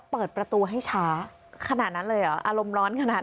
เปิดประตูให้ช้าขนาดนั้นเลยเหรออารมณ์ร้อนขนาดนั้น